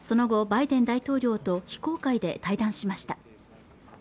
バイデン大統領と非公開で対談しました